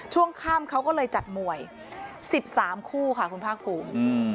ช่วงค่ำเขาก็เลยจัดมวย๑๓คู่ค่ะคุณภาคภูมิ